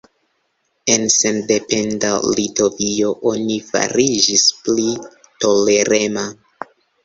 En sendependa Litovio oni fariĝis pli tolerema.